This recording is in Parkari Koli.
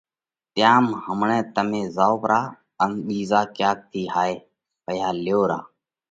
تيام همڻئہ تمي زائو پرا ان ٻِيزا ڪياڪ ٿِي هائي پئِيها ليو را۔